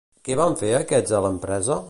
Què van fer aquests a l'empresa?